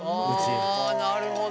あなるほど！